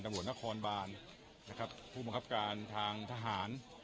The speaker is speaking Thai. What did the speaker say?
ตำบวนธรรมนท์ครอนบ่านนะครับผุมงขับการทางทหาร